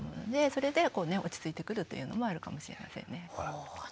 それで落ち着いてくるというのもあるかもしれませんね。